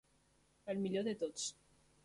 El millor de tots.